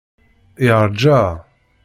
Yeṛja.